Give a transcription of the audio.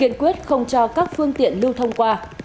kiên quyết không cho các phương tiện lưu thông qua